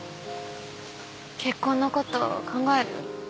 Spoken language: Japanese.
結婚の事考える？